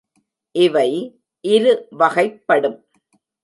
இவை இரு வகைப்படும்.